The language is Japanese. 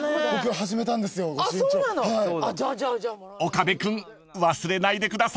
［岡部君忘れないでください］